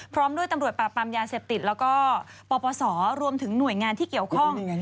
พร้อมด้วยตำรวจปราบปรามยาเสพติดแล้วก็ปปศรวมถึงหน่วยงานที่เกี่ยวข้อง